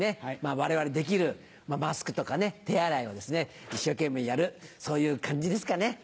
我々できるマスクとか手洗いを一生懸命やるそういう感じですかね。